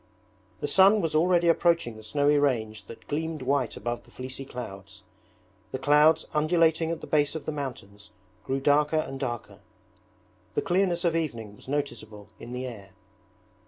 The sun was already approaching the snowy range that gleamed white above the fleecy clouds. The clouds undulating at the base of the mountains grew darker and darker. The clearness of evening was noticeable in the air.